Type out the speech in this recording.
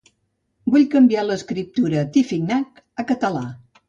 Vull canviar l'escriptura tifinagh a català.